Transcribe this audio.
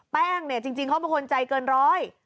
แป้งเนี่ยจริงเขาเป็นคนใจเกินร้อย